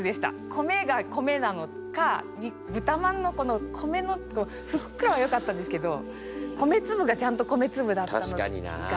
米が米なのかブタまんのこの米のふっくらはよかったんですけど米粒がちゃんと米粒だったのが。